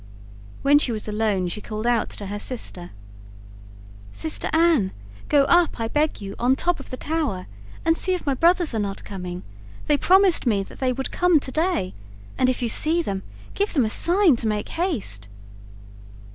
When she was alone she called out to her sister: "Sister Anne, go up, I beg you, on top of the tower and see if my brothers are not coming; they promised me that they would come to day, and if you see them, give them a sign to make haste."